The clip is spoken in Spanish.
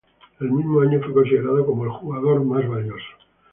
El mismo año, fue considerado como el Jugador Más Valioso.